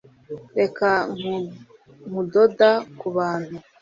reka nkudoda ku kantu. "